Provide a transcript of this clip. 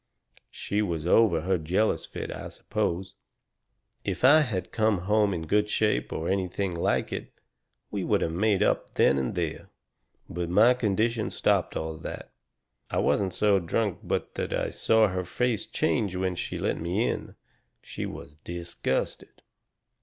She was over her jealous fit, I suppose. If I had come home in good shape, or in anything like it, we would have made up then and there. But my condition stopped all that. I wasn't so drunk but that I saw her face change when she let me in. She was disgusted.